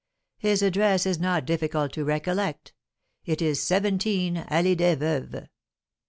His address is not difficult to recollect, it is 17 Allée des Veuves.